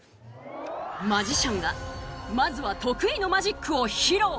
マジシャンがまずは得意のマジックを披露。